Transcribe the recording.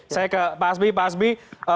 saya ke pak hasbi pak hasbi